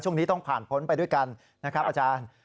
ช่วงนี้ต้องผ่านพ้นไปด้วยกันนะครับอาจารย์